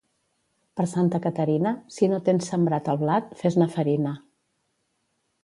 Per Santa Caterina, si no tens sembrat el blat, fes-ne farina